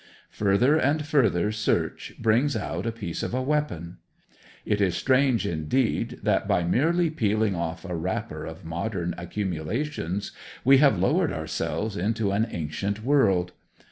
Further and further search brings out a piece of a weapon. It is strange indeed that by merely peeling off a wrapper of modern accumulations we have lowered ourselves into an ancient world.